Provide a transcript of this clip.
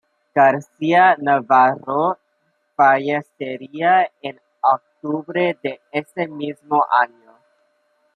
García Navarro fallecería en octubre de ese mismo año.